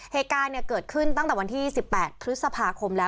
เหตุการณ์เกิดขึ้นตั้งแต่วันที่๑๘พฤษภาคมแล้ว